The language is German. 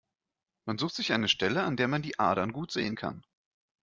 Man sucht sich eine Stelle, an der man die Adern gut sehen kann.